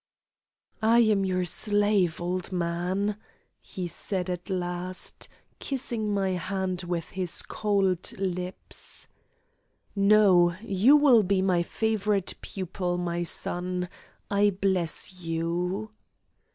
"I am your slave, old man," he said at last, kissing my hand with his cold lips. "No, you will be my favourite pupil, my son. I bless you."